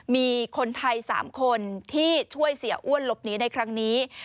มีคนไทย๓คนที่ช่วยเสียอ้วนหลบหนีในครั้งนี้